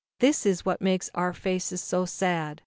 This it is which makes our faces so sad.